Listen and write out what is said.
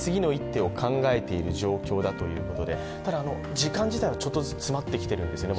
時間自体はちょっとずつ詰まってきているんですよね？